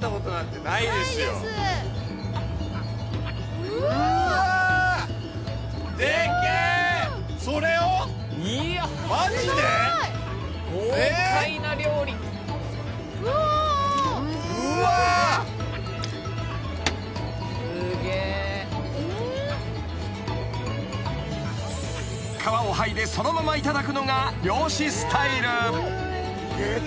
すごい！［皮を剥いでそのままいただくのが漁師スタイル］